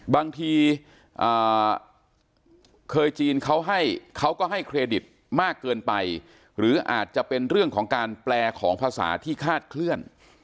บางทีเคยจีนเขาให้เขาก็ให้เครดิตมากเกินไปหรืออาจจะเป็นเรื่องของการแปลของภาษาที่คาดเคลื่อน